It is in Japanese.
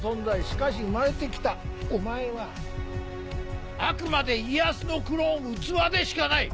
しかし生まれて来たお前はあくまで家康のクローン器でしかない。